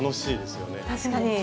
確かに！